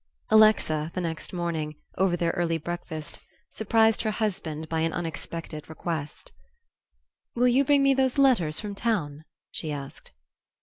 Alexa, the next morning, over their early breakfast, surprised her husband by an unexpected request. "Will you bring me those letters from town?" she asked.